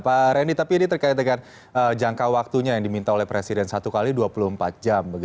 pak randy tapi ini terkait dengan jangka waktunya yang diminta oleh presiden satu x dua puluh empat jam